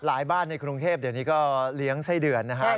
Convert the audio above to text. บ้านในกรุงเทพเดี๋ยวนี้ก็เลี้ยงไส้เดือนนะครับ